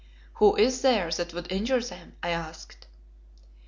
"Who is there that would injure them?" I asked.